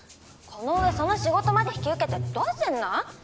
そのうえその仕事まで引き受けてどうすんの？